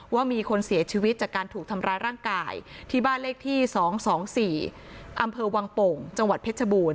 ว่ามีคนเสียชีวิตจากการถูกทำร้ายร่างกายที่บ้านเลขที่๒๒๔อำเภอวังโป่งจังหวัดเพชรบูรณ